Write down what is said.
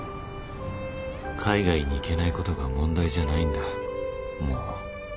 海外に行けないことが問題じゃないんだもう。